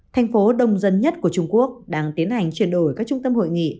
thành phố đông dân nhất của trung quốc đang tiến hành chuyển đổi các trung tâm hội nghị